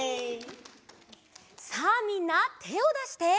さあみんなてをだして！